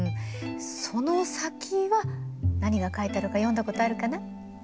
その先は何が書いてあるか読んだことあるかな？